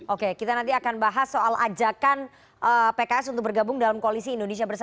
oke kita nanti akan bahas soal ajakan pks untuk bergabung dalam koalisi indonesia